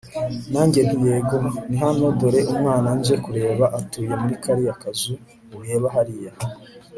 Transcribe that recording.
nanjye nti yego nihano dore umwana nje kureba atuye muri kariya kazu ureba hariya